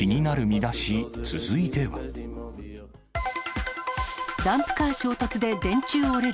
ダンプカー衝突で電柱折れる。